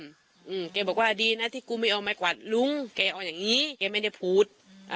แม่บอกว่าดีนะที่กูไม่เอาไม้กวาดลุ้งแม่เอาอย่างนี้แม่ไม่ได้พูด